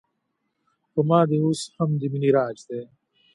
په ما دې اوس هم د مینې راج دی